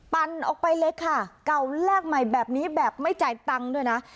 ออกไปเลยค่ะเก่าแลกใหม่แบบนี้แบบไม่จ่ายตังค์ด้วยนะ